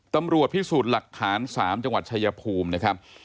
ตำรวจพิสูจน์หลักฐาน๓จังหวัดชายภูมินะครับ